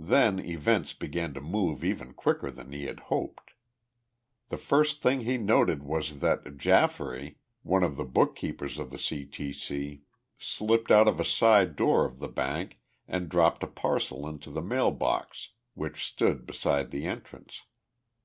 Then events began to move even quicker than he had hoped. The first thing he noted was that Jafferay, one of the bookkeepers of the C. T. C., slipped out of a side door of the bank and dropped a parcel into the mail box which stood beside the entrance.